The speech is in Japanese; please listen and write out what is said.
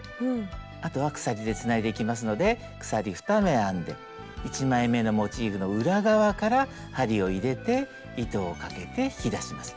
あとは鎖でつないでいきますので鎖２目編んで１枚めのモチーフの裏側から針を入れて糸をかけて引き出します。